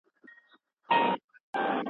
دلـته ميـنه ســرچــپـه ده